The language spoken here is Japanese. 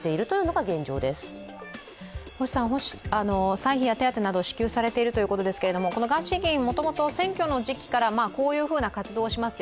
歳費や手当てなどを支給されているということですけれども、ガーシー議員、もともと選挙の時期から、こういう活動をしますよ